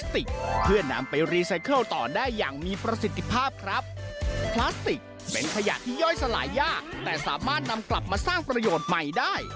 ติดตามกลับมาสร้างประโยชน์ใหม่ได้